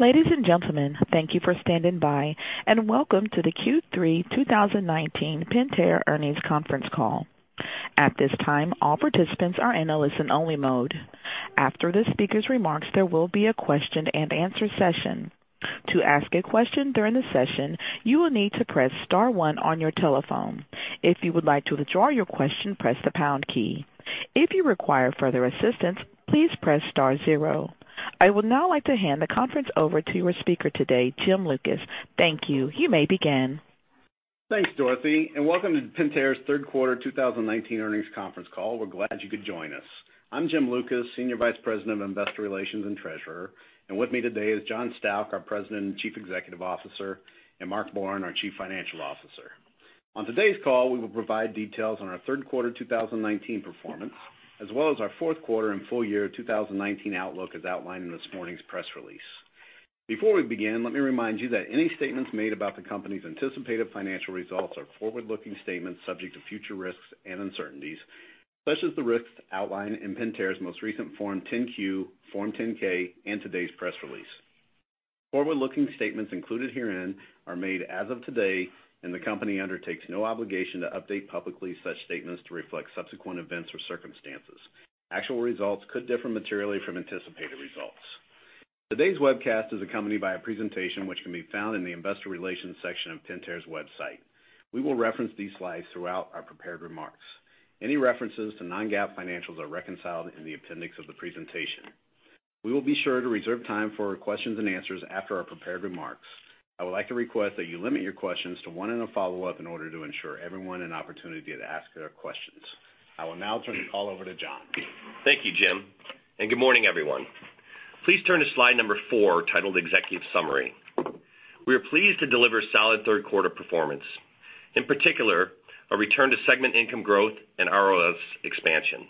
Ladies and gentlemen, thank you for standing by. Welcome to the Q3 2019 Pentair Earnings Conference Call. At this time, all participants are in a listen only mode. After the speaker's remarks, there will be a question and answer session. To ask a question during the session, you will need to press star one on your telephone. If you would like to withdraw your question, press the pound key. If you require further assistance, please press star zero. I would now like to hand the conference over to your speaker today, Jim Lucas. Thank you. You may begin. Thanks, Dorothy. Welcome to Pentair's third quarter 2019 earnings conference call. We're glad you could join us. I'm Jim Lucas, Senior Vice President of Investor Relations and Treasurer, and with me today is John Stauch, our President and Chief Executive Officer, and Mark Borin, our Chief Financial Officer. On today's call, we will provide details on our third quarter 2019 performance, as well as our fourth quarter and full year 2019 outlook as outlined in this morning's press release. Before we begin, let me remind you that any statements made about the company's anticipated financial results are forward-looking statements subject to future risks and uncertainties, such as the risks outlined in Pentair's most recent Form 10-Q, Form 10-K, and today's press release. Forward-looking statements included herein are made as of today. The company undertakes no obligation to update publicly such statements to reflect subsequent events or circumstances. Actual results could differ materially from anticipated results. Today's webcast is accompanied by a presentation which can be found in the investor relations section of Pentair's website. We will reference these slides throughout our prepared remarks. Any references to non-GAAP financials are reconciled in the appendix of the presentation. We will be sure to reserve time for questions and answers after our prepared remarks. I would like to request that you limit your questions to one and a follow-up in order to ensure everyone an opportunity to ask their questions. I will now turn the call over to John. Thank you, Jim. Good morning, everyone. Please turn to slide number four, titled Executive Summary. We are pleased to deliver solid third quarter performance, in particular, a return to segment income growth and ROS expansion,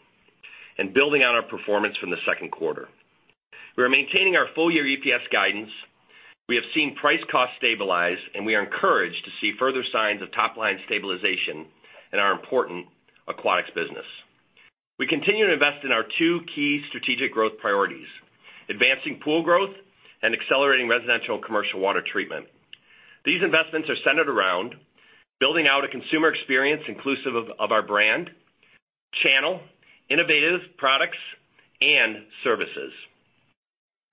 and building on our performance from the second quarter. We are maintaining our full year EPS guidance. We have seen price cost stabilize, and we are encouraged to see further signs of top-line stabilization in our important aquatics business. We continue to invest in our two key strategic growth priorities, advancing Pool growth and accelerating residential and commercial water treatment. These investments are centered around building out a consumer experience inclusive of our brand, channel, innovative products, and services.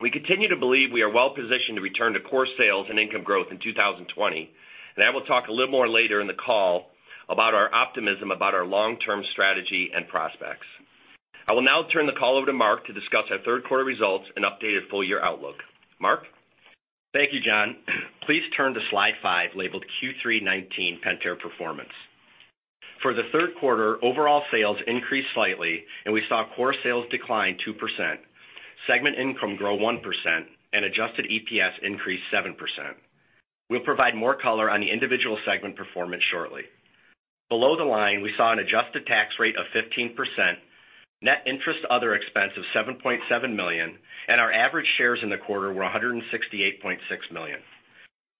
We continue to believe we are well-positioned to return to core sales and income growth in 2020, and I will talk a little more later in the call about our optimism about our long-term strategy and prospects. I will now turn the call over to Mark to discuss our third quarter results and updated full year outlook. Mark? Thank you, John. Please turn to slide five, labeled Q3 2019 Pentair Performance. For the third quarter, overall sales increased slightly, we saw core sales decline 2%, segment income grow 1%, and adjusted EPS increase 7%. We'll provide more color on the individual segment performance shortly. Below the line, we saw an adjusted tax rate of 15%, net interest other expense of $7.7 million, and our average shares in the quarter were 168.6 million.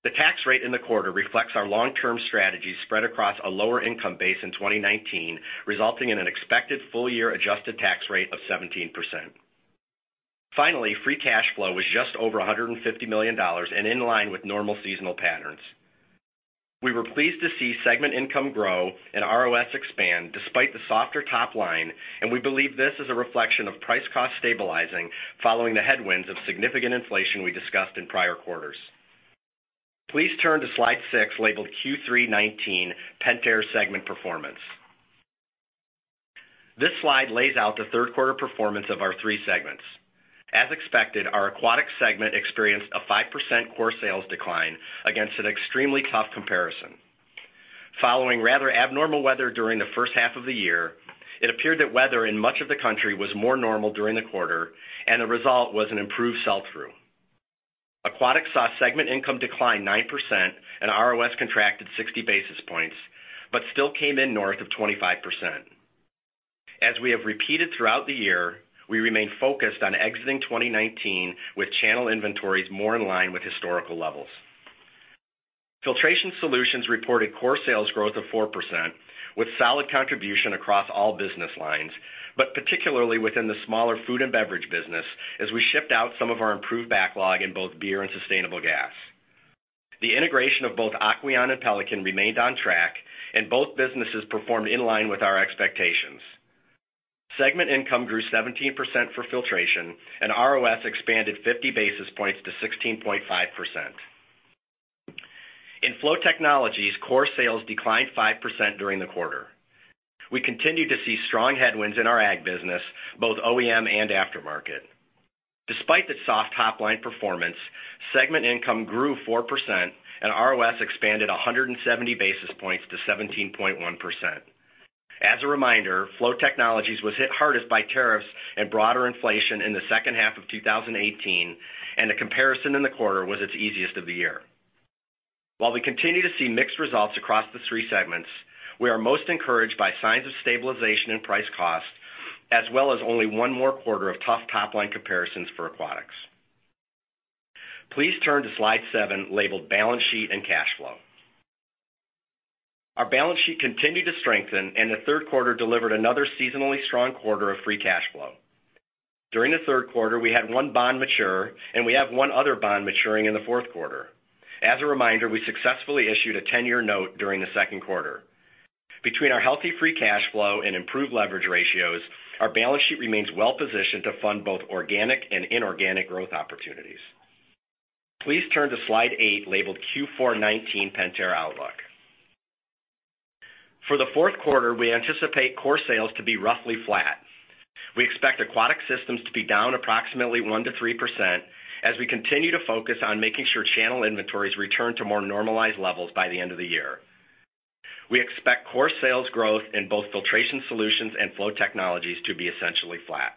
The tax rate in the quarter reflects our long-term strategy spread across a lower income base in 2019, resulting in an expected full year adjusted tax rate of 17%. Finally, free cash flow was just over $150 million and in line with normal seasonal patterns. We were pleased to see segment income grow and ROS expand despite the softer top line, and we believe this is a reflection of price cost stabilizing following the headwinds of significant inflation we discussed in prior quarters. Please turn to slide six, labeled Q3 2019 Pentair Segment Performance. This slide lays out the third quarter performance of our three segments. As expected, our Aquatics segment experienced a 5% core sales decline against an extremely tough comparison. Following rather abnormal weather during the first half of the year, it appeared that weather in much of the country was more normal during the quarter, and the result was an improved sell-through. Aquatics saw segment income decline 9% and ROS contracted 60 basis points, but still came in north of 25%. As we have repeated throughout the year, we remain focused on exiting 2019 with channel inventories more in line with historical levels. Filtration Solutions reported core sales growth of 4% with solid contribution across all business lines, but particularly within the smaller food and beverage business as we shipped out some of our improved backlog in both beer and sustainable gas. The integration of both Aquion and Pelican remained on track, and both businesses performed in line with our expectations. Segment income grew 17% for Filtration and ROS expanded 50 basis points to 16.5%. In Flow Technologies, core sales declined 5% during the quarter. We continue to see strong headwinds in our ag business, both OEM and aftermarket. Despite the soft top-line performance, segment income grew 4% and ROS expanded 170 basis points to 17.1%. As a reminder, Flow was hit hardest by tariffs and broader inflation in the second half of 2018. The comparison in the quarter was its easiest of the year. While we continue to see mixed results across the three segments, we are most encouraged by signs of stabilization in price cost, as well as only one more quarter of tough top-line comparisons for Pool. Please turn to slide seven, labeled Balance Sheet and Cash Flow. Our balance sheet continued to strengthen. The third quarter delivered another seasonally strong quarter of free cash flow. During the third quarter, we had one bond mature. We have one other bond maturing in the fourth quarter. As a reminder, we successfully issued a 10-year note during the second quarter. Between our healthy free cash flow and improved leverage ratios, our balance sheet remains well-positioned to fund both organic and inorganic growth opportunities. Please turn to slide eight, labeled Q4 2019 Pentair Outlook. For the fourth quarter, we anticipate core sales to be roughly flat. We expect aquatic systems to be down approximately 1%-3% as we continue to focus on making sure channel inventories return to more normalized levels by the end of the year. We expect core sales growth in both filtration solutions and flow technologies to be essentially flat.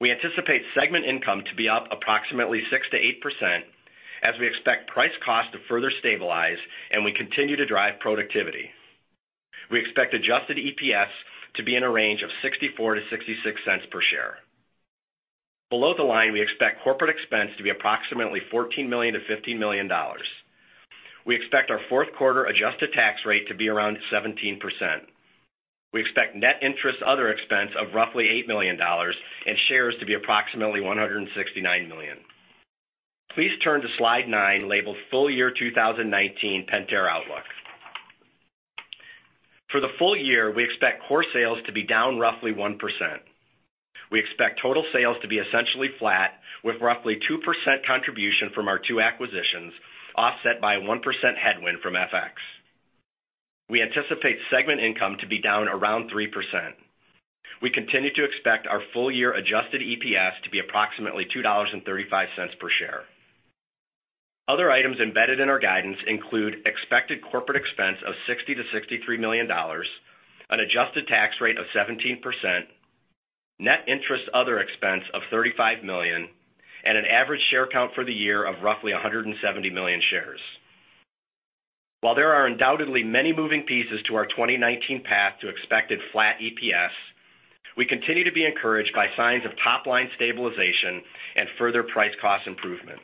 We anticipate segment income to be up approximately 6%-8% as we expect price cost to further stabilize. We continue to drive productivity. We expect adjusted EPS to be in a range of $0.64-$0.66 per share. Below the line, we expect corporate expense to be approximately $14 million-$15 million. We expect our fourth quarter adjusted tax rate to be around 17%. We expect net interest other expense of roughly $8 million and shares to be approximately 169 million. Please turn to slide nine, labeled Full Year 2019 Pentair Outlook. For the full year, we expect core sales to be down roughly 1%. We expect total sales to be essentially flat with roughly 2% contribution from our two acquisitions, offset by a 1% headwind from FX. We anticipate segment income to be down around 3%. We continue to expect our full year adjusted EPS to be approximately $2.35 per share. Other items embedded in our guidance include expected corporate expense of $60 million-$63 million, an adjusted tax rate of 17%, net interest other expense of $35 million, and an average share count for the year of roughly 170 million shares. While there are undoubtedly many moving pieces to our 2019 path to expected flat EPS, we continue to be encouraged by signs of top-line stabilization and further price-cost improvement.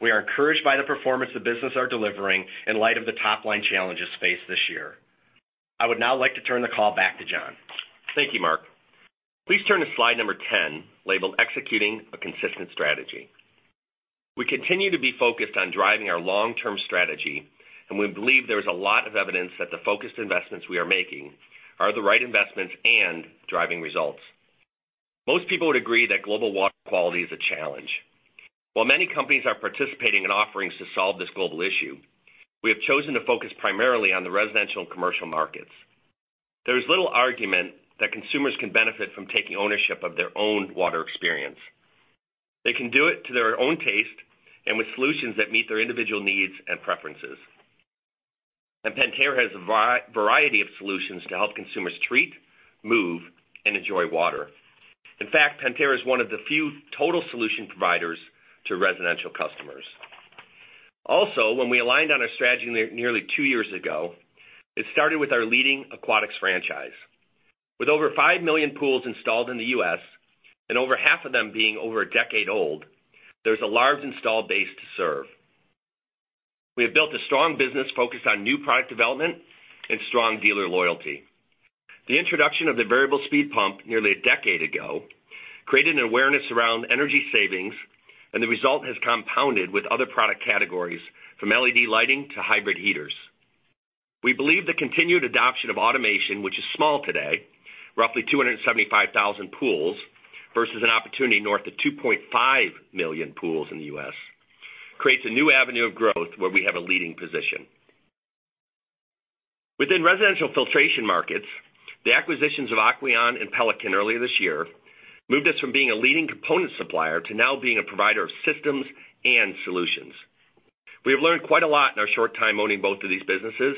We are encouraged by the performance the business are delivering in light of the top-line challenges faced this year. I would now like to turn the call back to John. Thank you, Mark. Please turn to slide number 10, labeled Executing a Consistent Strategy. We continue to be focused on driving our long-term strategy, and we believe there is a lot of evidence that the focused investments we are making are the right investments and driving results. Most people would agree that global water quality is a challenge. While many companies are participating in offerings to solve this global issue, we have chosen to focus primarily on the residential and commercial markets. There is little argument that consumers can benefit from taking ownership of their own water experience. They can do it to their own taste and with solutions that meet their individual needs and preferences. Pentair has a variety of solutions to help consumers treat, move, and enjoy water. In fact, Pentair is one of the few total solution providers to residential customers. Also, when we aligned on our strategy nearly 2 years ago, it started with our leading aquatics franchise. With over 5 million pools installed in the U.S. and over half of them being over a decade old, there's a large installed base to serve. We have built a strong business focused on new product development and strong dealer loyalty. The introduction of the variable speed pump nearly a decade ago created an awareness around energy savings, and the result has compounded with other product categories from LED lighting to hybrid heaters. We believe the continued adoption of automation, which is small today, roughly 275,000 pools versus an opportunity north of 2.5 million pools in the U.S., creates a new avenue of growth where we have a leading position. Within residential filtration markets, the acquisitions of Aquion and Pelican earlier this year moved us from being a leading component supplier to now being a provider of systems and solutions. We have learned quite a lot in our short time owning both of these businesses,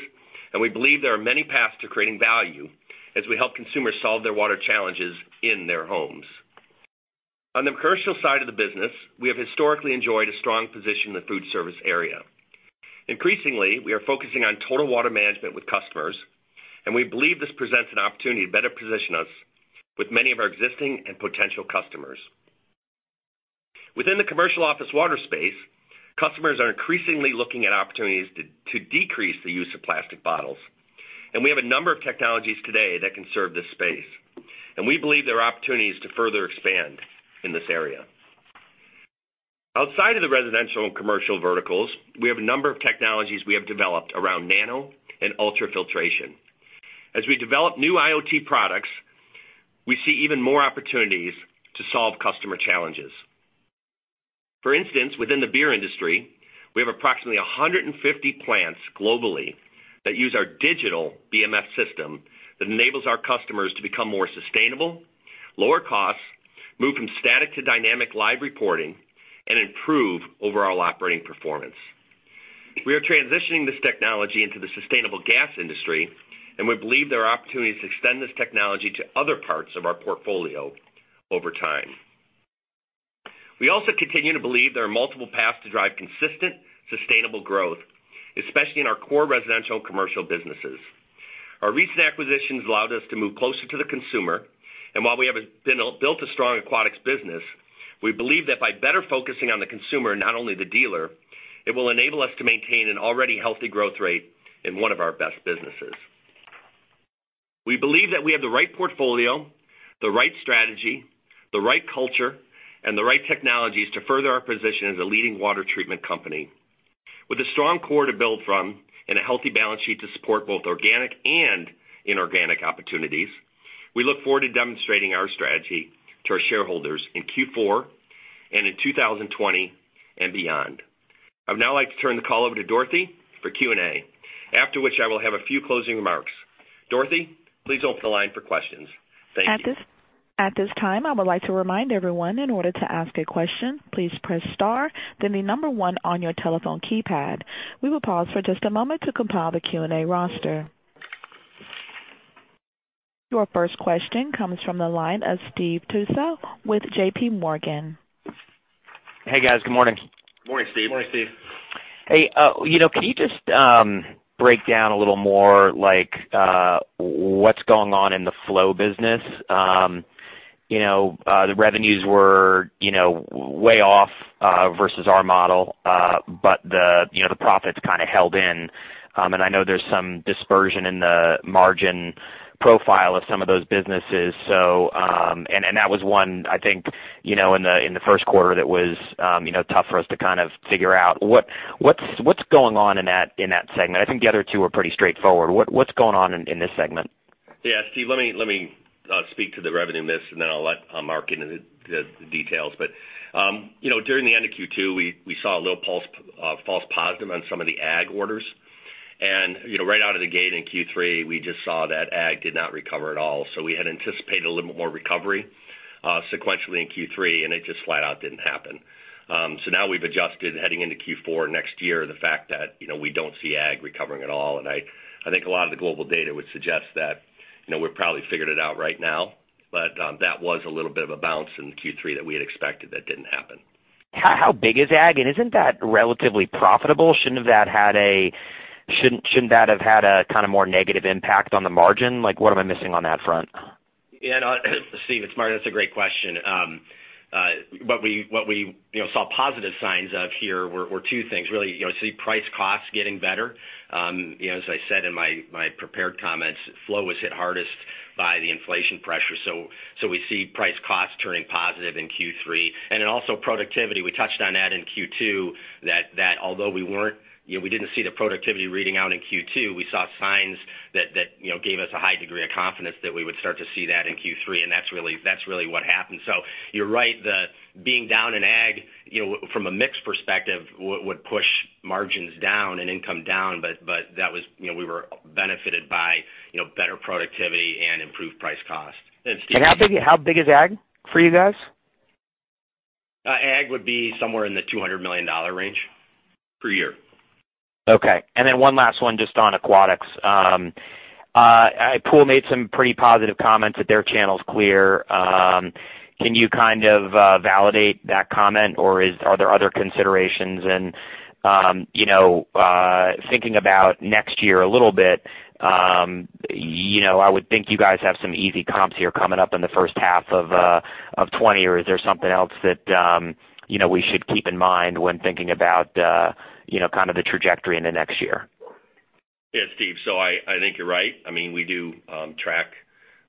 and we believe there are many paths to creating value as we help consumers solve their water challenges in their homes. On the commercial side of the business, we have historically enjoyed a strong position in the food service area. Increasingly, we are focusing on total water management with customers, and we believe this presents an opportunity to better position us with many of our existing and potential customers. Within the commercial office water space, customers are increasingly looking at opportunities to decrease the use of plastic bottles, and we have a number of technologies today that can serve this space, and we believe there are opportunities to further expand in this area. Outside of the residential and commercial verticals, we have a number of technologies we have developed around nano and ultrafiltration. As we develop new IoT products, we see even more opportunities to solve customer challenges. For instance, within the beer industry, we have approximately 150 plants globally that use our digital BMF system that enables our customers to become more sustainable, lower costs, move from static to dynamic live reporting and improve overall operating performance. We are transitioning this technology into the sustainable gas industry, and we believe there are opportunities to extend this technology to other parts of our portfolio over time. We also continue to believe there are multiple paths to drive consistent, sustainable growth, especially in our core residential commercial businesses. Our recent acquisitions allowed us to move closer to the consumer, and while we have built a strong aquatics business, we believe that by better focusing on the consumer, not only the dealer, it will enable us to maintain an already healthy growth rate in one of our best businesses. We believe that we have the right portfolio, the right strategy, the right culture, and the right technologies to further our position as a leading water treatment company. With a strong core to build from and a healthy balance sheet to support both organic and inorganic opportunities, we look forward to demonstrating our strategy to our shareholders in Q4 and in 2020 and beyond. I'd now like to turn the call over to Dorothy for Q&A, after which I will have a few closing remarks. Dorothy, please open the line for questions. Thank you. At this time, I would like to remind everyone, in order to ask a question, please press star, then the number 1 on your telephone keypad. We will pause for just a moment to compile the Q&A roster. Your first question comes from the line of Steve Tusa with J.P. Morgan. Hey, guys. Good morning. Morning, Steve. Morning, Steve. Hey, can you just break down a little more what's going on in the Flow business? The revenues were way off versus our model, but the profits kind of held in. I know there's some dispersion in the margin profile of some of those businesses. That was one, I think, in the first quarter that was tough for us to kind of figure out. What's going on in that segment? I think the other two are pretty straightforward. What's going on in this segment? Yeah, Steve, let me speak to the revenue mix. I'll let Mark get into the details. During the end of Q2, we saw a little false positive on some of the ag orders. Right out of the gate in Q3, we just saw that ag did not recover at all. We had anticipated a little bit more recovery sequentially in Q3. It just flat out didn't happen. Now we've adjusted heading into Q4 next year, the fact that we don't see ag recovering at all. I think a lot of the global data would suggest that we've probably figured it out right now. That was a little bit of a bounce in Q3 that we had expected that didn't happen. How big is ag, and isn't that relatively profitable? Shouldn't that have had a kind of more negative impact on the margin? What am I missing on that front? Yeah, no, Steve, it's Mark. That's a great question. What we saw positive signs of here were two things, really. You see price costs getting better. As I said in my prepared comments, Flow was hit hardest by the inflation pressure. We see price costs turning positive in Q3. Also productivity. We touched on that in Q2, that although we didn't see the productivity reading out in Q2, we saw signs that gave us a high degree of confidence that we would start to see that in Q3, and that's really what happened. You're right. Being down in ag, from a mix perspective, would push margins down and income down, but we were benefited by better productivity and improved price cost. How big is ag for you guys? Ag would be somewhere in the $200 million range per year. Okay. Then one last one just on aquatics. Pool made some pretty positive comments that their channel's clear. Can you kind of validate that comment, or are there other considerations? Thinking about next year a little bit, I would think you guys have some easy comps here coming up in the first half of 2020, or is there something else that we should keep in mind when thinking about kind of the trajectory in the next year? Yeah, Steve. I think you're right. We do track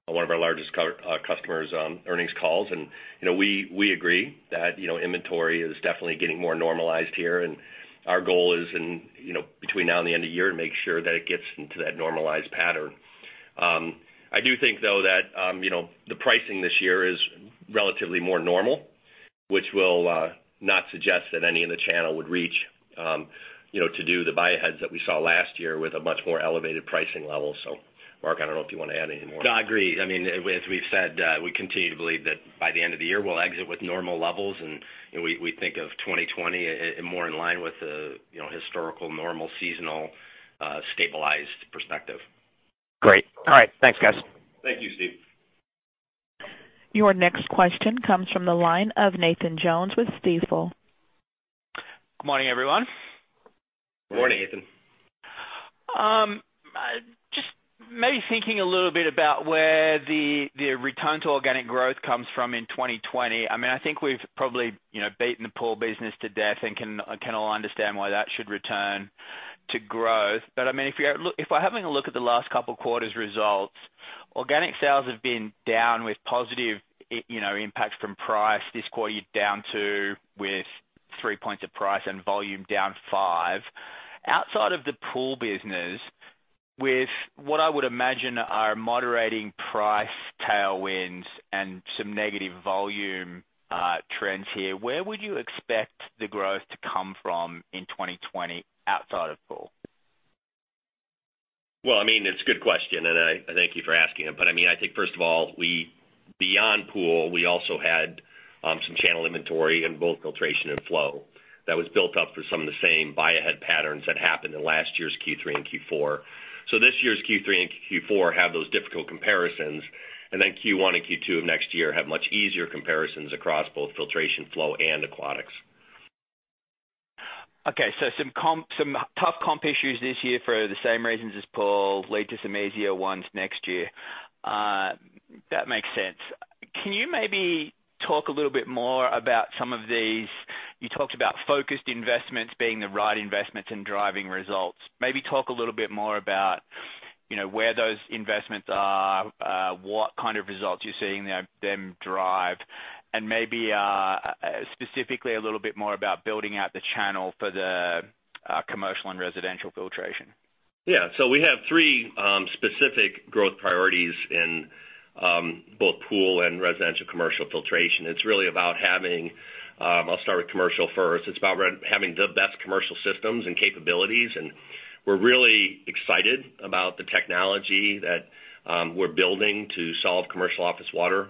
one of our largest customers' earnings calls, and we agree that inventory is definitely getting more normalized here, and our goal is between now and the end of year to make sure that it gets into that normalized pattern. I do think, though, that the pricing this year is relatively more normal, which will not suggest that any of the channel would reach to do the buy-aheads that we saw last year with a much more elevated pricing level. Mark, I don't know if you want to add anything more. No, I agree. As we've said, we continue to believe that by the end of the year, we'll exit with normal levels. We think of 2020 more in line with the historical normal seasonal stabilized perspective. Great. All right. Thanks, guys. Thank you, Steve. Your next question comes from the line of Nathan Jones with Stifel. Good morning, everyone. Morning, Nathan. Just maybe thinking a little bit about where the return to organic growth comes from in 2020. I think we've probably beaten the Pool business to death and can all understand why that should return to growth. But if we're having a look at the last couple quarters' results, organic sales have been down with positive impacts from price. This quarter, you're down two with three points of price and volume down five. Outside of the Pool business, with what I would imagine are moderating price tailwinds and some negative volume trends here, where would you expect the growth to come from in 2020 outside of Pool? It's a good question, and I thank you for asking it. I think first of all, beyond Pool, we also had some channel inventory in both filtration and Flow that was built up for some of the same buy-ahead patterns that happened in last year's Q3 and Q4. This year's Q3 and Q4 have those difficult comparisons, and then Q1 and Q2 of next year have much easier comparisons across both filtration, Flow, and aquatics. Okay. Some tough comp issues this year for the same reasons as Pool lead to some easier ones next year. That makes sense. Can you maybe talk a little bit more about some of these? You talked about focused investments being the right investments and driving results. Maybe talk a little bit more about where those investments are, what kind of results you're seeing them drive, and maybe specifically a little bit more about building out the channel for the commercial and residential filtration. Yeah. We have three specific growth priorities in both Pool and residential commercial filtration. I'll start with commercial first. It's about having the best commercial systems and capabilities, and we're really excited about the technology that we're building to solve commercial office water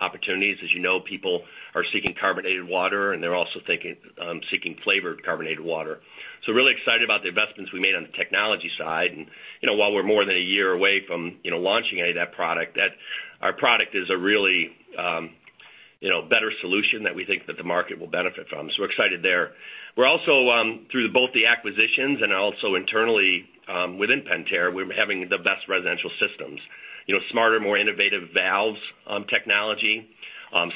opportunities. As you know, people are seeking carbonated water, and they're also seeking flavored carbonated water. Really excited about the investments we made on the technology side. While we're more than a year away from launching any of that product, our product is a really better solution that we think that the market will benefit from. We're excited there. We're also, through both the acquisitions and also internally within Pentair, we're having the best residential systems. Smarter, more innovative valves technology,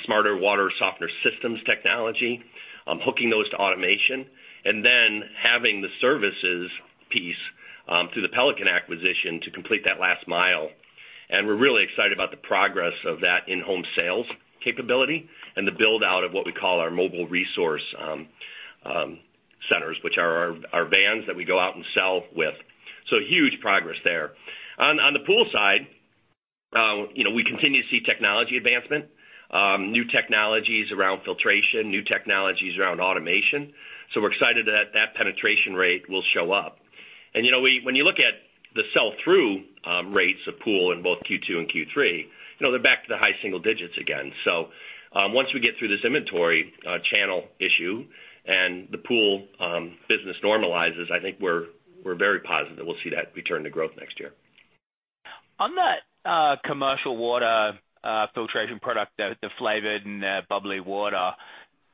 smarter water softener systems technology, hooking those to automation, and then having the services piece through the Pelican acquisition to complete that last mile. We're really excited about the progress of that in-home sales capability and the build-out of what we call our mobile resource centers, which are our vans that we go out and sell with. Huge progress there. On the Pool side, we continue to see technology advancement, new technologies around filtration, new technologies around automation. We're excited that that penetration rate will show up. When you look at the sell-through rates of Pool in both Q2 and Q3, they're back to the high single digits again. Once we get through this inventory channel issue and the Pool business normalizes, I think we're very positive that we'll see that return to growth next year. On that commercial water filtration product, the flavored and the bubbly water,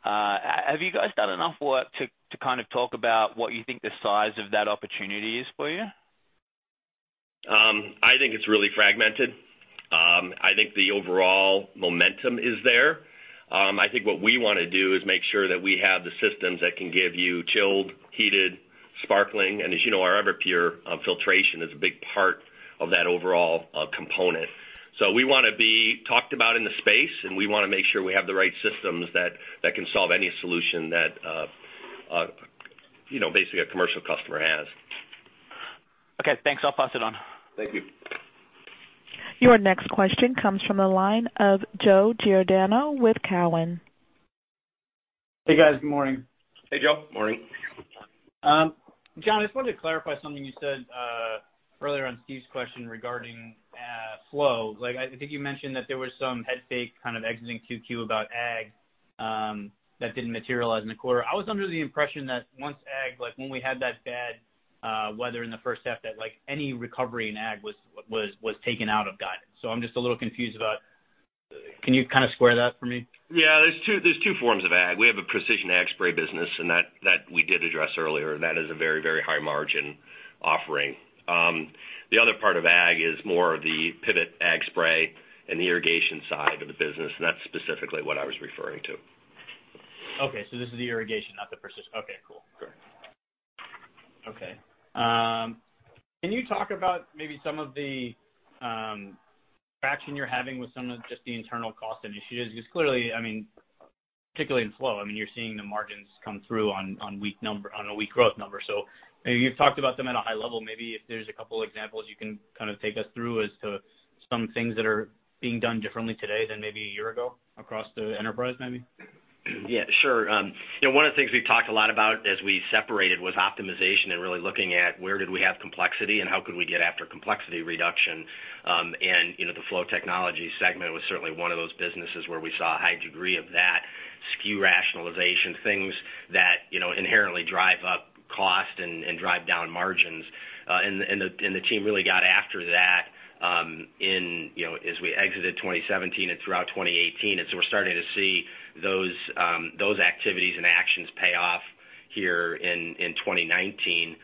have you guys done enough work to talk about what you think the size of that opportunity is for you? I think it's really fragmented. I think the overall momentum is there. I think what we want to do is make sure that we have the systems that can give you chilled, heated, sparkling, and as you know, our Everpure filtration is a big part of that overall component. We want to be talked about in the space, and we want to make sure we have the right systems that can solve any solution that basically a commercial customer has. Okay, thanks. I'll pass it on. Thank you. Your next question comes from the line of Joseph Giordano with Cowen. Hey, guys. Good morning. Hey, Joe. Morning. John, I just wanted to clarify something you said earlier on Steve's question regarding Flow. I think you mentioned that there was some head fake kind of exiting QQ about ag that didn't materialize in the quarter. I was under the impression that once ag, like when we had that bad weather in the first half, that any recovery in ag was taken out of guidance. I'm just a little confused about, can you square that for me? Yeah, there's two forms of ag. We have a precision ag spray business, and that we did address earlier. That is a very high margin offering. The other part of ag is more of the pivot ag spray and the irrigation side of the business, and that's specifically what I was referring to. Okay, this is the irrigation, not the precision. Okay, cool. Correct. Okay. Can you talk about maybe some of the traction you're having with some of just the internal cost initiatives? Clearly, particularly in Flow, you're seeing the margins come through on a weak growth number. Maybe you've talked about them at a high level. Maybe if there's a couple examples you can take us through as to some things that are being done differently today than maybe a year ago across the enterprise, maybe? Yeah, sure. One of the things we've talked a lot about as we separated was optimization and really looking at where did we have complexity and how could we get after complexity reduction. The Flow segment was certainly one of those businesses where we saw a high degree of that SKU rationalization, things that inherently drive up cost and drive down margins. The team really got after that as we exited 2017 and throughout 2018. We're starting to see those activities and actions pay off here in 2019.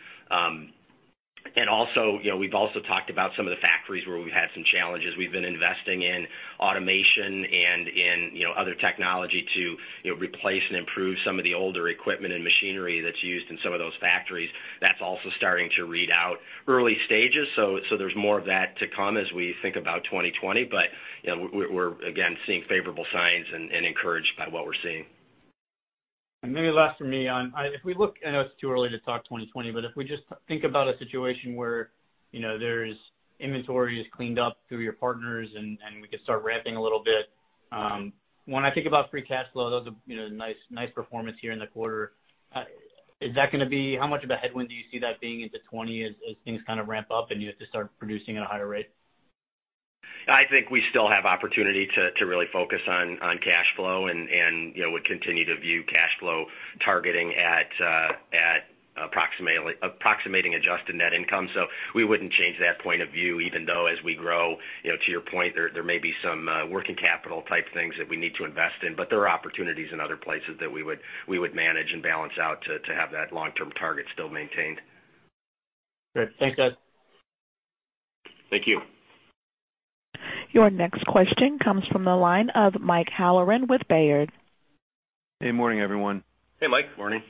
Also, we've also talked about some of the factories where we've had some challenges. We've been investing in automation and in other technology to replace and improve some of the older equipment and machinery that's used in some of those factories. That's also starting to read out early stages. There's more of that to come as we think about 2020. We're again, seeing favorable signs and encouraged by what we're seeing. Maybe last from me. I know it's too early to talk 2020, but if we just think about a situation where inventory is cleaned up through your partners and we could start ramping a little bit. When I think about free cash flow, that was a nice performance here in the quarter. How much of a headwind do you see that being into 2020 as things kind of ramp up and you have to start producing at a higher rate? I think we still have opportunity to really focus on cash flow, and we continue to view cash flow targeting at approximating adjusted net income. We wouldn't change that point of view, even though as we grow, to your point, there may be some working capital type things that we need to invest in. There are opportunities in other places that we would manage and balance out to have that long-term target still maintained. Great. Thanks, guys. Thank you. Your next question comes from the line of Michael Halloran with Baird. Hey, morning, everyone. Hey, Mike. Morning.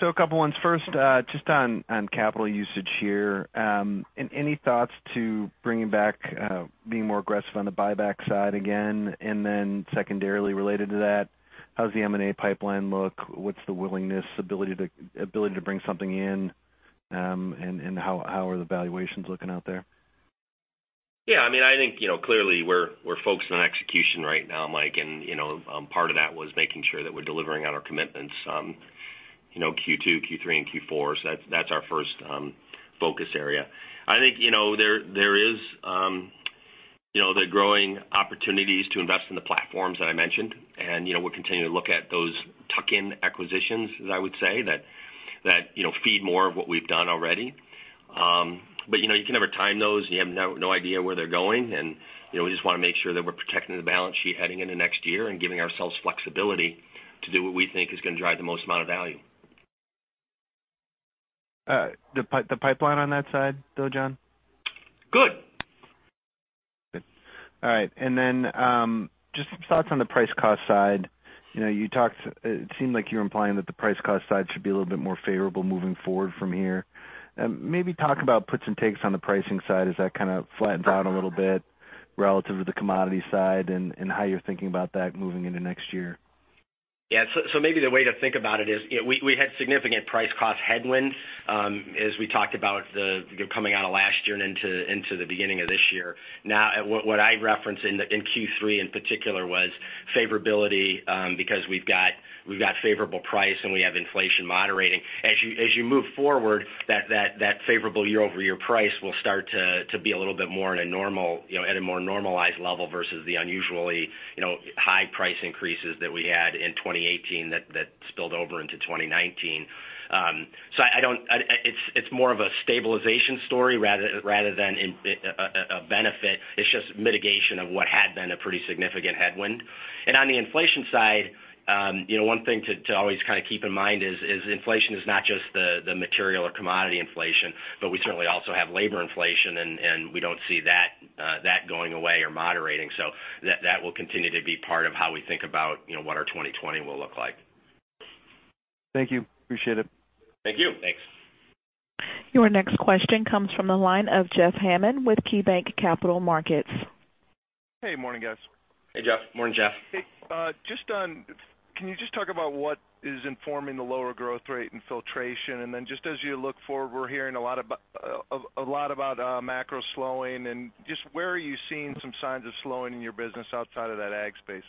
A couple ones. First, just on capital usage here. Any thoughts to bringing back, being more aggressive on the buyback side again? Secondarily related to that, how's the M&A pipeline look? What's the willingness, ability to bring something in, and how are the valuations looking out there? I think, clearly we're focused on execution right now, Mike. Part of that was making sure that we're delivering on our commitments on Q2, Q3, and Q4. That's our first focus area. I think there is the growing opportunities to invest in the platforms that I mentioned. We're continuing to look at those tuck-in acquisitions, as I would say, that feed more of what we've done already. You can never time those. You have no idea where they're going. We just want to make sure that we're protecting the balance sheet heading into next year and giving ourselves flexibility to do what we think is going to drive the most amount of value. The pipeline on that side, though, John? Good. Good. All right. Just some thoughts on the price-cost side. It seemed like you were implying that the price-cost side should be a little bit more favorable moving forward from here. Maybe talk about puts and takes on the pricing side. Has that kind of flattened out a little bit relative to the commodity side, and how you're thinking about that moving into next year? Yeah. Maybe the way to think about it is, we had significant price-cost headwinds as we talked about coming out of last year and into the beginning of this year. What I referenced in Q3 in particular was favorability, because we've got favorable price, and we have inflation moderating. As you move forward, that favorable year-over-year price will start to be a little bit more at a more normalized level versus the unusually high price increases that we had in 2018 that spilled over into 2019. It's more of a stabilization story rather than a benefit. It's just mitigation of what had been a pretty significant headwind. On the inflation side, one thing to always kind of keep in mind is inflation is not just the material or commodity inflation, but we certainly also have labor inflation, and we don't see that going away or moderating. That will continue to be part of how we think about what our 2020 will look like. Thank you. Appreciate it. Thank you. Thanks. Your next question comes from the line of Jeffrey Hammond with KeyBanc Capital Markets. Hey, morning, guys. Hey, Jeff. Morning, Jeff. Hey. Can you just talk about what is informing the lower growth rate in filtration? Just as you look forward, we're hearing a lot about macro slowing and just where are you seeing some signs of slowing in your business outside of that ag space?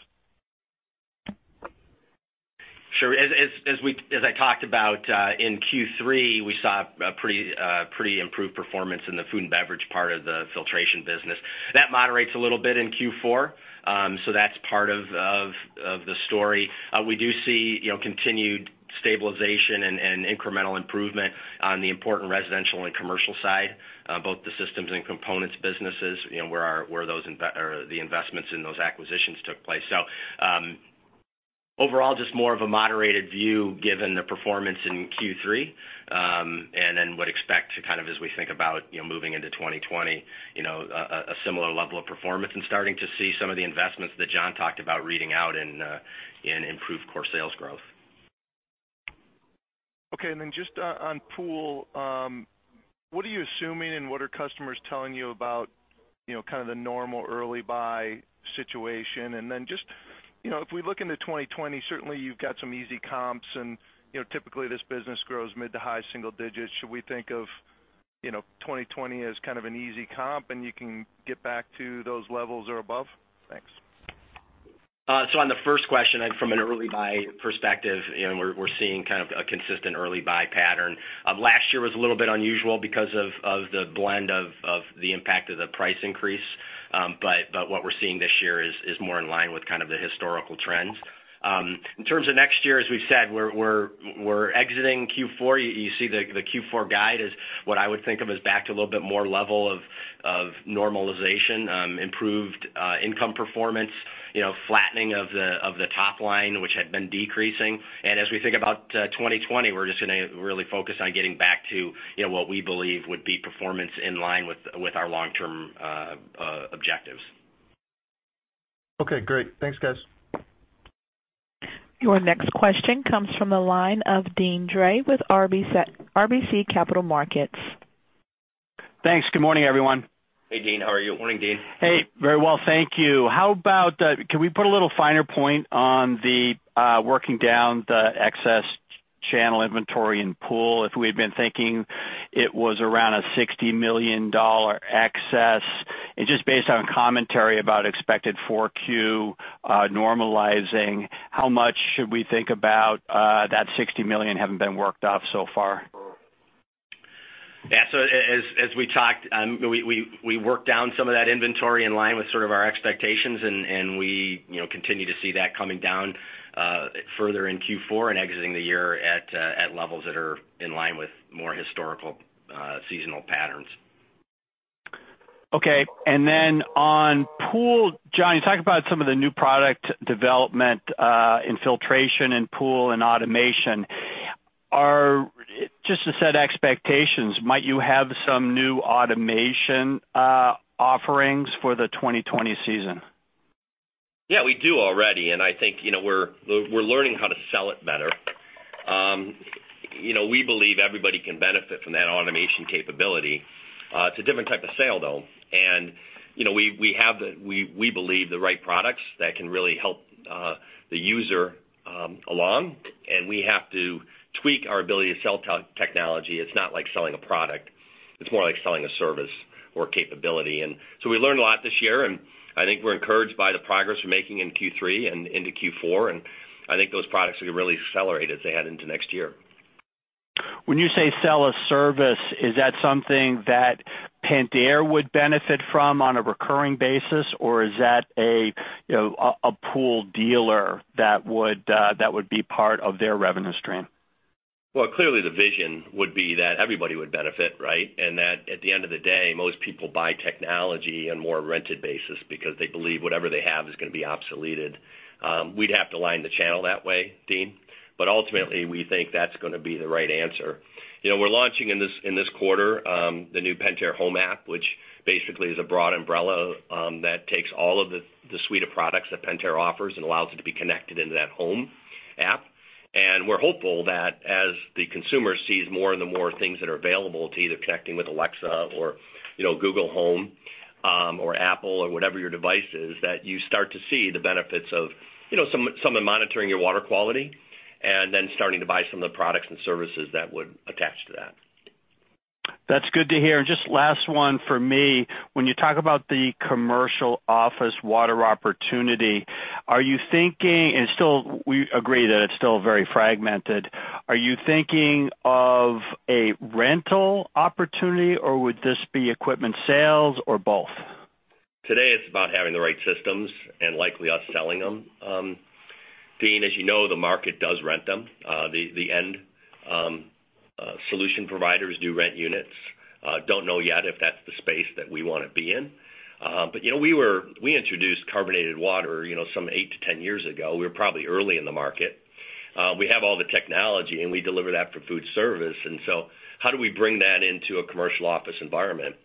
Sure. As I talked about in Q3, we saw a pretty improved performance in the food and beverage part of the filtration business. That moderates a little bit in Q4, that's part of the story. We do see continued stabilization and incremental improvement on the important residential and commercial side, both the systems and components businesses where the investments in those acquisitions took place. Overall, just more of a moderated view given the performance in Q3. Would expect to kind of, as we think about moving into 2020, a similar level of performance and starting to see some of the investments that John talked about reading out in improved core sales growth. Okay, just on Pool, what are you assuming and what are customers telling you about kind of the normal early buy situation? Just, if we look into 2020, certainly you've got some easy comps and typically this business grows mid to high single-digits. Should we think of 2020 as kind of an easy comp, you can get back to those levels or above? Thanks. On the first question, from an early buy perspective, we're seeing kind of a consistent early buy pattern. Last year was a little bit unusual because of the blend of the impact of the price increase. What we're seeing this year is more in line with kind of the historical trends. In terms of next year, as we've said, we're exiting Q4. You see the Q4 guide is what I would think of as back to a little bit more level of normalization, improved income performance, flattening of the top line, which had been decreasing. As we think about 2020, we're just going to really focus on getting back to what we believe would be performance in line with our long-term objectives. Okay, great. Thanks, guys. Your next question comes from the line of Deane Dray with RBC Capital Markets. Thanks. Good morning, everyone. Hey, Deane. How are you? Morning, Deane. Hey. Very well, thank you. Can we put a little finer point on the working down the excess channel inventory in Pool? If we had been thinking it was around a $60 million excess, and just based on commentary about expected 4Q normalizing, how much should we think about that $60 million having been worked off so far? Yeah. As we talked, we worked down some of that inventory in line with sort of our expectations, and we continue to see that coming down further in Q4 and exiting the year at levels that are in line with more historical seasonal patterns. Okay. On Pool, John, you talked about some of the new product development in filtration and Pool and automation. Just to set expectations, might you have some new automation offerings for the 2020 season? Yeah, we do already, and I think we're learning how to sell it better. We believe everybody can benefit from that automation capability. It's a different type of sale, though. We believe the right products that can really help the user along, and we have to tweak our ability to sell technology. It's not like selling a product. It's more like selling a service or capability. We learned a lot this year, and I think we're encouraged by the progress we're making in Q3 and into Q4, and I think those products are going to really accelerate as they head into next year. When you say sell a service, is that something that Pentair would benefit from on a recurring basis, or is that a pool dealer that would be part of their revenue stream? Well, clearly the vision would be that everybody would benefit, right? That at the end of the day, most people buy technology on a more rented basis because they believe whatever they have is going to be obsoleted. We'd have to line the channel that way, Deane. Ultimately, we think that's going to be the right answer. We're launching in this quarter the new Pentair Home app, which basically is a broad umbrella that takes all of the suite of products that Pentair offers and allows it to be connected into that home app. We're hopeful that as the consumer sees more and more things that are available to either connecting with Alexa or Google Home or Apple or whatever your device is, that you start to see the benefits of someone monitoring your water quality and then starting to buy some of the products and services that would attach to that. That's good to hear. Just last one from me. When you talk about the commercial office water opportunity, we agree that it's still very fragmented. Are you thinking of a rental opportunity, or would this be equipment sales or both? Today it's about having the right systems and likely us selling them. Deane, as you know, the market does rent them. The end solution providers do rent units. Don't know yet if that's the space that we want to be in. We introduced carbonated water some eight to 10 years ago. We were probably early in the market. We have all the technology, we deliver that for food service. How do we bring that into a commercial office environment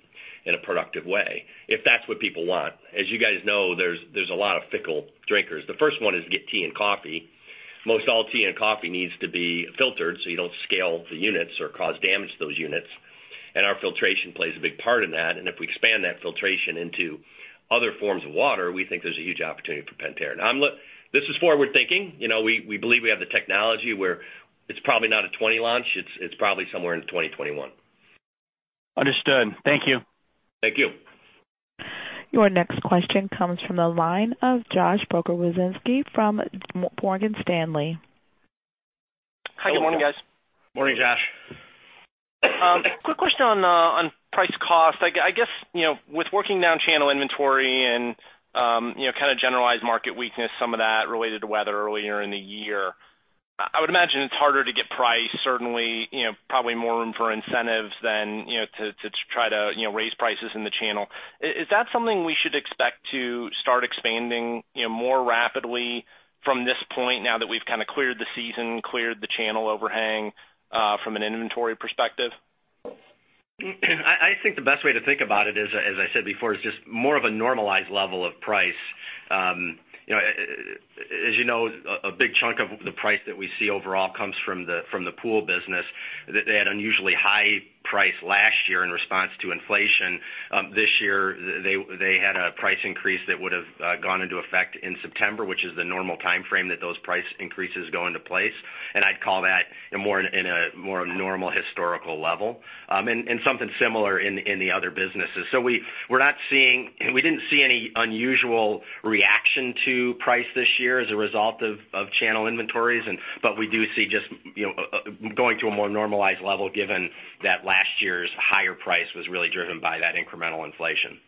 in a productive way, if that's what people want? As you guys know, there's a lot of fickle drinkers. The first one is to get tea and coffee. Most all tea and coffee needs to be filtered so you don't scale the units or cause damage to those units. Our filtration plays a big part in that. If we expand that filtration into other forms of water, we think there's a huge opportunity for Pentair. This is forward-thinking. We believe we have the technology where it's probably not a 2020 launch. It's probably somewhere in 2021. Understood. Thank you. Thank you. Your next question comes from the line of Josh Pokrzywinski from Morgan Stanley. Hi, good morning, guys. Morning, Josh. Quick question on price cost. I guess, with working down channel inventory and kind of generalized market weakness, some of that related to weather earlier in the year. I would imagine it's harder to get price, certainly, probably more room for incentives than to try to raise prices in the channel. Is that something we should expect to start expanding more rapidly from this point now that we've kind of cleared the season, cleared the channel overhang from an inventory perspective? I think the best way to think about it is, as I said before, it's just more of a normalized level of price. As you know, a big chunk of the price that we see overall comes from the Pool business. They had unusually high price last year in response to inflation. This year, they had a price increase that would have gone into effect in September, which is the normal timeframe that those price increases go into place. I'd call that in a more normal historical level. Something similar in the other businesses. We didn't see any unusual reaction to price this year as a result of channel inventories, but we do see just going to a more normalized level given that last year's higher price was really driven by that incremental inflation.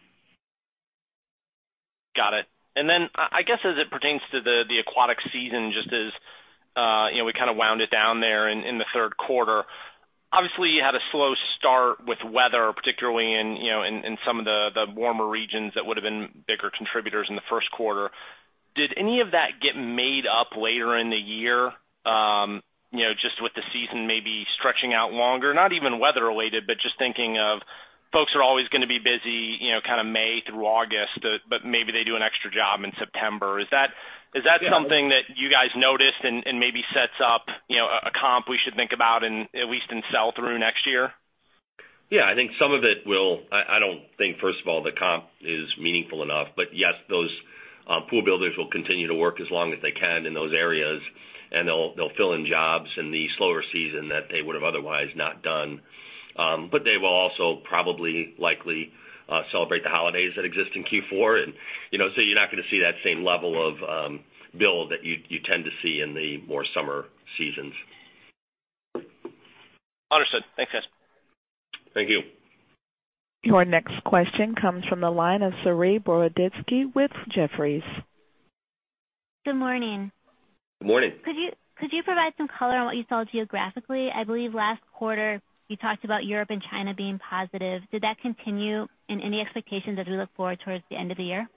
Got it. I guess as it pertains to the aquatic season, just as we kind of wound it down there in the third quarter. Obviously, you had a slow start with weather, particularly in some of the warmer regions that would've been bigger contributors in the first quarter. Did any of that get made up later in the year? Just with the season maybe stretching out longer, not even weather related, but just thinking of folks are always going to be busy kind of May through August, but maybe they do an extra job in September. Is that something that you guys noticed and maybe sets up a comp we should think about at least in sell-through next year? Yeah, I think some of it will. I don't think, first of all, the comp is meaningful enough. Yes, those pool builders will continue to work as long as they can in those areas, and they'll fill in jobs in the slower season that they would have otherwise not done. They've all will probably likely celebrate the holidays that exist in Q4. You're not going to see that same level of bill that you tend to see in the more summer seasons. Understood. Thanks, guys. Thank you. Your next question comes from the line of Saree Boroditsky with Jefferies. Good morning. Good morning. Could you provide some color on what you saw geographically? I believe last quarter you talked about Europe and China being positive. Did that continue in any expectations as we look forward towards the end of the year?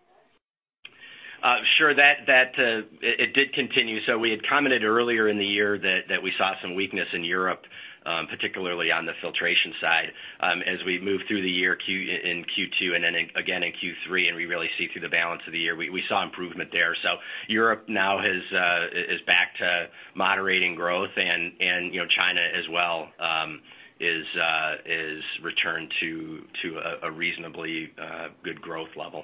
Sure. It did continue. We had commented earlier in the year that we saw some weakness in Europe, particularly on the filtration side. As we moved through the year in Q2 and then again in Q3 and we really see through the balance of the year, we saw improvement there. Europe now is back to moderating growth and China as well is returned to a reasonably good growth level.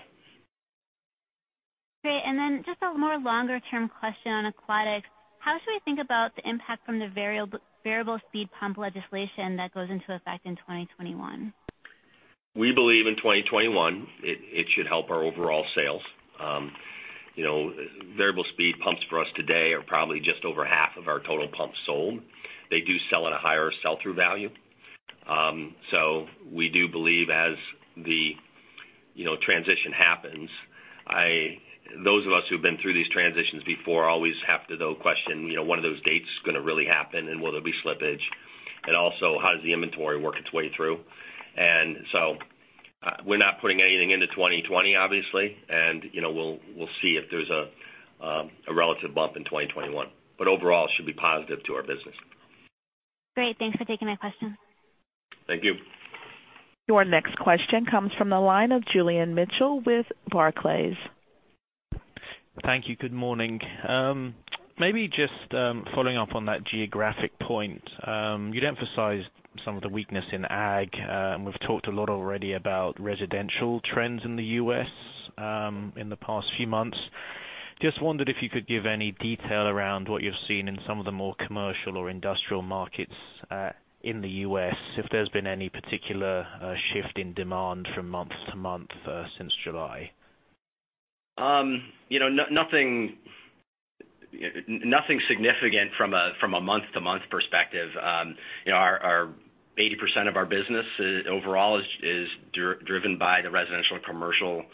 Great. Just a more longer-term question on aquatics. How should we think about the impact from the variable speed pump legislation that goes into effect in 2021? We believe in 2021, it should help our overall sales. Variable speed pumps for us today are probably just over half of our total pumps sold. They do sell at a higher sell-through value. We do believe as the transition happens, those of us who've been through these transitions before always have to though question, when are those dates going to really happen and will there be slippage? How does the inventory work its way through? We're not putting anything into 2020, obviously. We'll see if there's a relative bump in 2021. Overall, it should be positive to our business. Great. Thanks for taking my question. Thank you. Your next question comes from the line of Julian Mitchell with Barclays. Thank you. Good morning. Maybe just following up on that geographic point. You'd emphasized some of the weakness in ag, and we've talked a lot already about residential trends in the U.S. in the past few months. Just wondered if you could give any detail around what you've seen in some of the more commercial or industrial markets in the U.S., if there's been any particular shift in demand from month-to-month since July. Nothing significant from a month-to-month perspective. 80% of our business overall is driven by the residential and commercial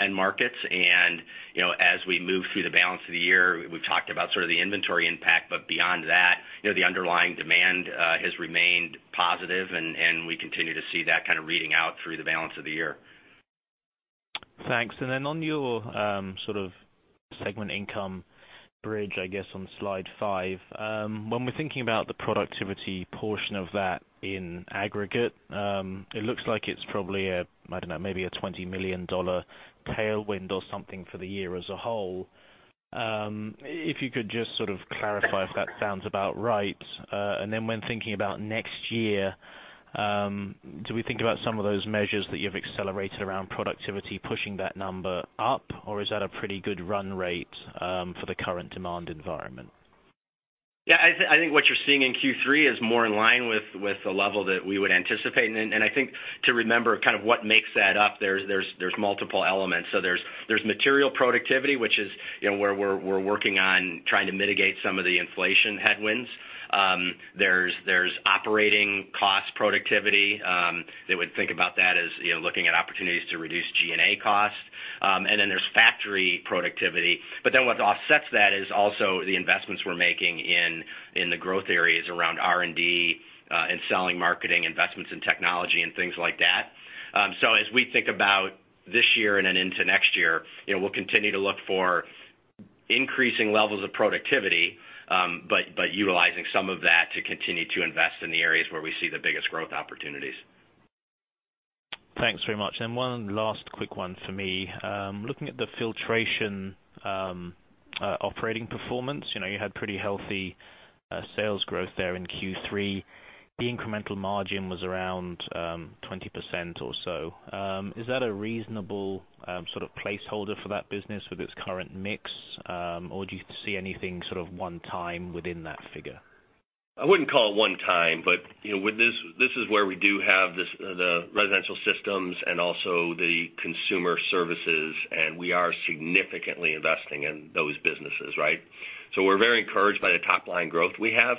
end markets. As we move through the balance of the year, we've talked about sort of the inventory impact, but beyond that, the underlying demand has remained positive, and we continue to see that kind of reading out through the balance of the year. Thanks. On your sort of segment income bridge, I guess, on slide five. When we're thinking about the productivity portion of that in aggregate, it looks like it's probably, I don't know, maybe a $20 million tailwind or something for the year as a whole. If you could just sort of clarify if that sounds about right. When thinking about next year, do we think about some of those measures that you've accelerated around productivity pushing that number up? Or is that a pretty good run rate for the current demand environment? Yeah, I think what you're seeing in Q3 is more in line with the level that we would anticipate. I think to remember kind of what makes that up, there's multiple elements. There's material productivity, which is where we're working on trying to mitigate some of the inflation headwinds. There's operating cost productivity. They would think about that as looking at opportunities to reduce G&A costs. There's factory productivity. What offsets that is also the investments we're making in the growth areas around R&D and selling, marketing, investments in technology, and things like that. As we think about this year and then into next year, we'll continue to look for increasing levels of productivity, but utilizing some of that to continue to invest in the areas where we see the biggest growth opportunities. Thanks very much. One last quick one for me. Looking at the filtration operating performance, you had pretty healthy sales growth there in Q3. The incremental margin was around 20% or so. Is that a reasonable sort of placeholder for that business with its current mix? Do you see anything sort of one time within that figure? I wouldn't call it one time, but this is where we do have the residential systems and also the consumer services, and we are significantly investing in those businesses, right? We're very encouraged by the top-line growth we have,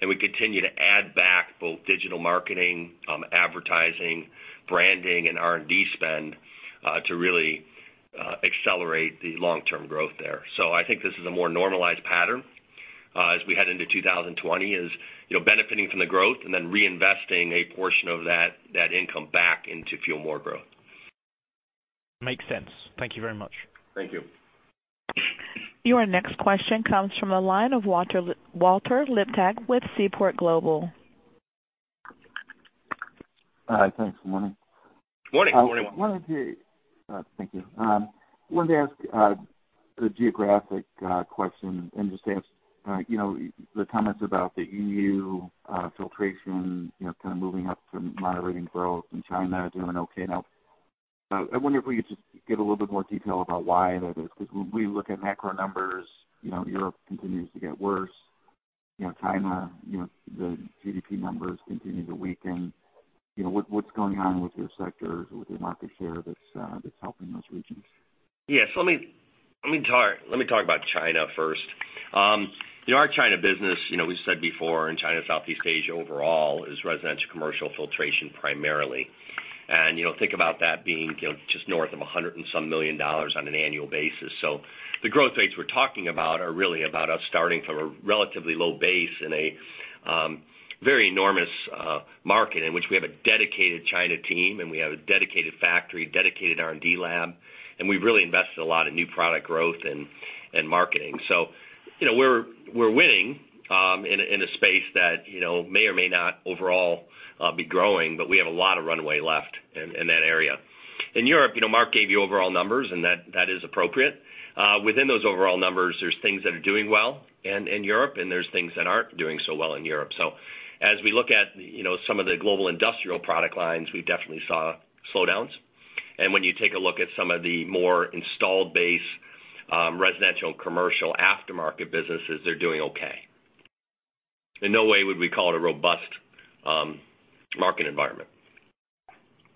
and we continue to add back both digital marketing, advertising, branding, and R&D spend to really accelerate the long-term growth there. I think this is a more normalized pattern as we head into 2020, is benefiting from the growth and then reinvesting a portion of that income back in to fuel more growth. Makes sense. Thank you very much. Thank you. Your next question comes from the line of Walter Liptak with Seaport Global. Hi. Thanks. Good morning. Morning. Thank you. Wanted to ask the geographic question and just ask the comments about the EU filtration kind of moving up from moderating growth and China doing okay now. I wonder if we could just get a little more detail about why that is. When we look at macro numbers, Europe continues to get worse. China, the GDP numbers continue to weaken. What's going on with your sectors or with your market share that's helping those regions? Let me talk about China first. Our China business, we said before, in China, Southeast Asia overall, is residential, commercial filtration primarily. Think about that being just north of $100 and some million dollars on an annual basis. The growth rates we're talking about are really about us starting from a relatively low base in a very enormous market in which we have a dedicated China team, and we have a dedicated factory, dedicated R&D lab, and we've really invested a lot in new product growth and marketing. We're winning in a space that may or may not overall be growing, but we have a lot of runway left in that area. In Europe, Mark gave you overall numbers, and that is appropriate. Within those overall numbers, there's things that are doing well in Europe, and there's things that aren't doing so well in Europe. As we look at some of the global industrial product lines, we definitely saw slowdowns. When you take a look at some of the more installed base, residential, commercial aftermarket businesses, they're doing okay. In no way would we call it a robust market environment.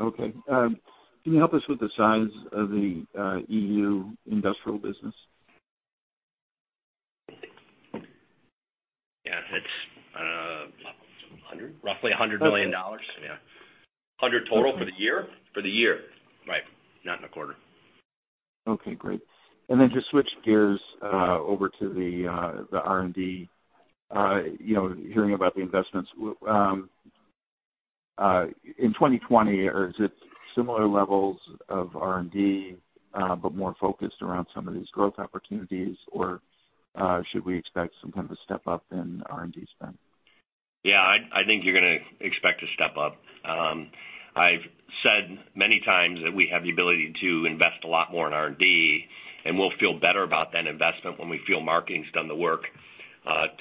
Okay. Can you help us with the size of the EU industrial business? Yeah. 100? roughly $100 million. Yeah. 100 total for the year? For the year. Right. Not in a quarter. Okay, great. To switch gears over to the R&D. Hearing about the investments. In 2020, or is it similar levels of R&D, but more focused around some of these growth opportunities, or should we expect some kind of a step-up in R&D spend? Yeah, I think you're going to expect a step-up. I've said many times that we have the ability to invest a lot more in R&D, we'll feel better about that investment when we feel marketing's done the work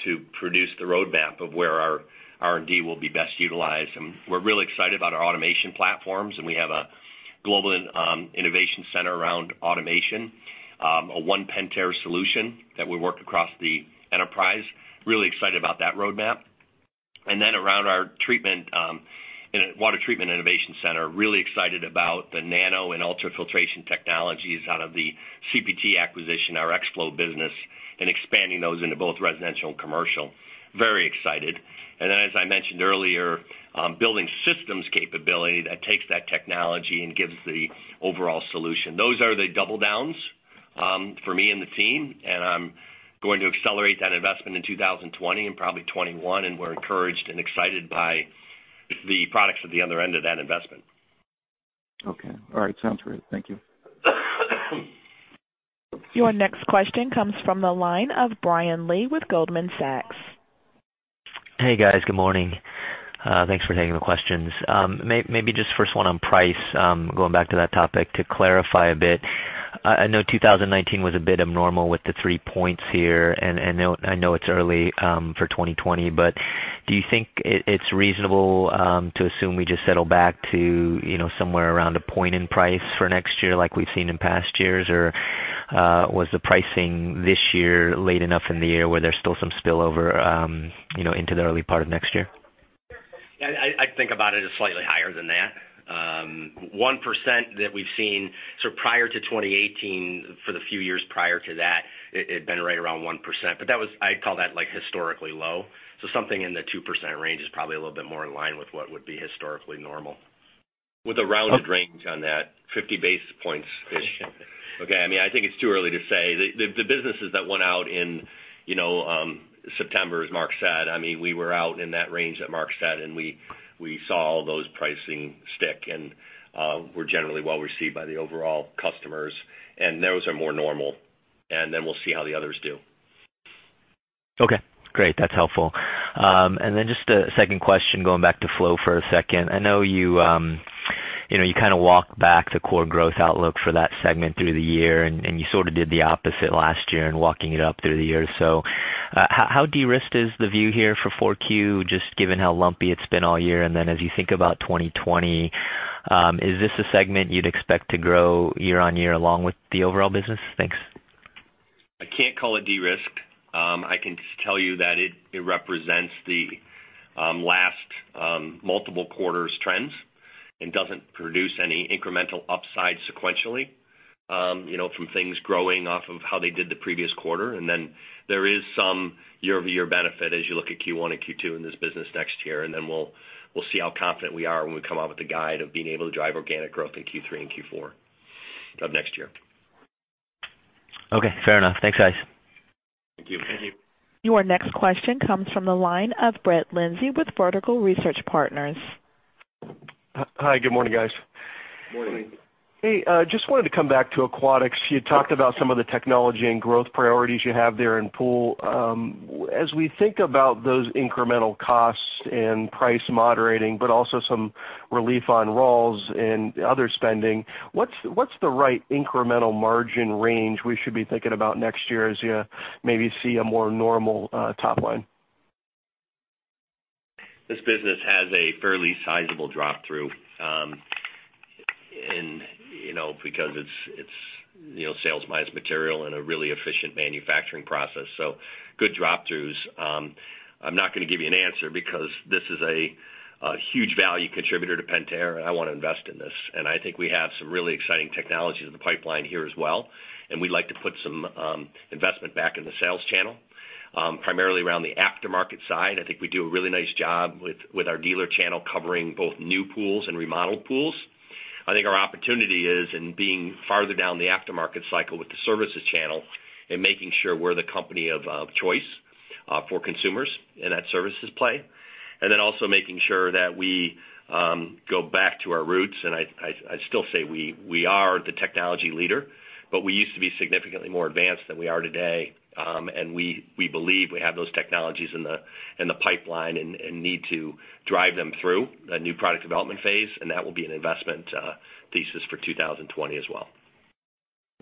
to produce the roadmap of where our R&D will be best utilized. We're really excited about our automation platforms, we have a global innovation center around automation, a one Pentair solution that will work across the enterprise. Really excited about that roadmap. Then around our water treatment innovation center, really excited about the nano and ultrafiltration technologies out of the CPT acquisition, our X-Flow business, and expanding those into both residential and commercial. Very excited. Then, as I mentioned earlier, building systems capability that takes that technology and gives the overall solution. Those are the double downs for me and the team. I'm going to accelerate that investment in 2020 and probably 2021. We're encouraged and excited by the products at the other end of that investment. Okay. All right. Sounds great. Thank you. Your next question comes from the line of Brian Lee with Goldman Sachs. Hey, guys. Good morning. Thanks for taking the questions. Maybe just first one on price, going back to that topic to clarify a bit. I know 2019 was a bit abnormal with the three points here, and I know it's early for 2020, do you think it's reasonable to assume we just settle back to somewhere around a point in price for next year like we've seen in past years? Was the pricing this year late enough in the year where there's still some spillover into the early part of next year? I think about it as slightly higher than that 1% that we've seen. Prior to 2018, for the few years prior to that, it had been right around 1%, but I'd call that historically low. Something in the 2% range is probably a little bit more in line with what would be historically normal, with a rounded range on that, 50 basis points-ish. Okay. I think it's too early to say. The businesses that went out in September, as Mark said, we were out in that range that Mark said, and we saw all those pricing stick, and were generally well-received by the overall customers, and those are more normal, and then we'll see how the others do. Okay, great. That's helpful. Then just a second question, going back to Flow for a second. I know you kind of walked back the core growth outlook for that segment through the year, and you sort of did the opposite last year in walking it up through the year. How de-risked is the view here for 4Q, just given how lumpy it's been all year? Then as you think about 2020, is this a segment you'd expect to grow year-over-year along with the overall business? Thanks. I can't call it de-risked. I can just tell you that it represents the last multiple quarters trends and doesn't produce any incremental upside sequentially. From things growing off of how they did the previous quarter. There is some year-over-year benefit as you look at Q1 and Q2 in this business next year. We'll see how confident we are when we come out with a guide of being able to drive organic growth in Q3 and Q4 of next year. Okay, fair enough. Thanks, guys. Thank you. Thank you. Your next question comes from the line of Brett Lindsey with Vertical Research Partners. Hi. Good morning, guys. Morning. Morning. Hey, just wanted to come back to Pool. You had talked about some of the technology and growth priorities you have there in Pool. As we think about those incremental costs and price moderating, but also some relief on raws and other spending, what's the right incremental margin range we should be thinking about next year as you maybe see a more normal top line? This business has a fairly sizable drop-through. It's sales minus material and a really efficient manufacturing process, so good drop-throughs. I'm not going to give you an answer because this is a huge value contributor to Pentair, and I want to invest in this. I think we have some really exciting technologies in the pipeline here as well, and we'd like to put some investment back in the sales channel, primarily around the aftermarket side. I think we do a really nice job with our dealer channel covering both new pools and remodeled pools. I think our opportunity is in being farther down the aftermarket cycle with the services channel and making sure we're the company of choice for consumers in that services play. Then also making sure that we go back to our roots, and I still say we are the technology leader, but we used to be significantly more advanced than we are today. We believe we have those technologies in the pipeline and need to drive them through a new product development phase, and that will be an investment thesis for 2020 as well.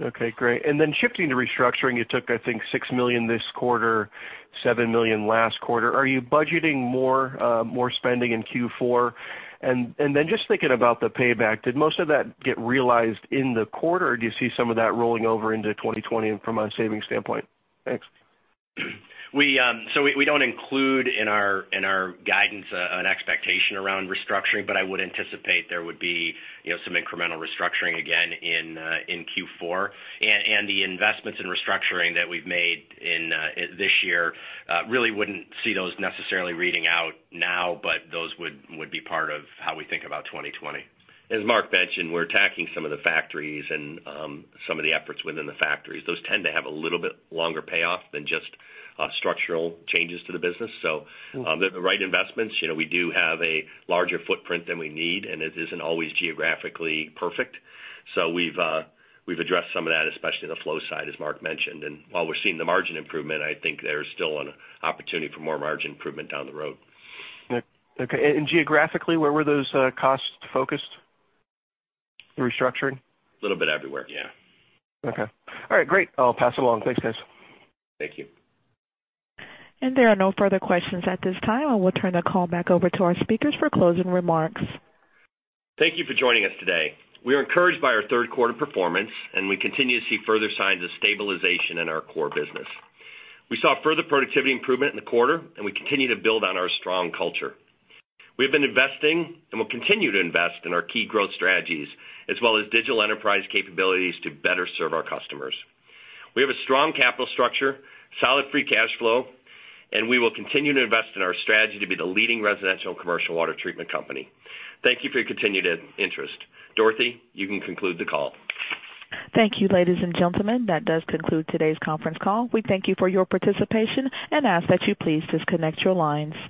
Okay, great. Then shifting to restructuring, you took, I think, $6 million this quarter, $7 million last quarter. Are you budgeting more spending in Q4? Then just thinking about the payback, did most of that get realized in the quarter, or do you see some of that rolling over into 2020 from a savings standpoint? Thanks. We don't include in our guidance an expectation around restructuring, but I would anticipate there would be some incremental restructuring again in Q4. The investments in restructuring that we've made this year, really wouldn't see those necessarily reading out now, but those would be part of how we think about 2020. As Mark mentioned, we're attacking some of the factories and some of the efforts within the factories. Those tend to have a little bit longer payoff than just structural changes to the business. They're the right investments. We do have a larger footprint than we need, and it isn't always geographically perfect. We've addressed some of that, especially in the Flow side, as Mark mentioned. While we're seeing the margin improvement, I think there's still an opportunity for more margin improvement down the road. Okay. Geographically, where were those costs focused, the restructuring? A little bit everywhere, yeah. Okay. All right, great. I'll pass along. Thanks, guys. Thank you. There are no further questions at this time, I will turn the call back over to our speakers for closing remarks. Thank you for joining us today. We are encouraged by our third quarter performance, and we continue to see further signs of stabilization in our core business. We saw further productivity improvement in the quarter, and we continue to build on our strong culture. We have been investing and will continue to invest in our key growth strategies as well as digital enterprise capabilities to better serve our customers. We have a strong capital structure, solid free cash flow, and we will continue to invest in our strategy to be the leading residential commercial water treatment company. Thank you for your continued interest. Dorothy, you can conclude the call. Thank you, ladies and gentlemen. That does conclude today's conference call. We thank you for your participation and ask that you please disconnect your lines.